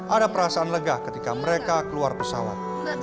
ada perasaan lega ketika mereka keluar pesawat